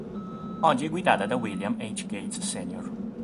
Oggi è guidata da William H. Gates Sr.